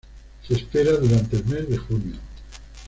Se espera durante el mes de junio.